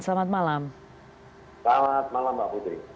selamat malam mbak putri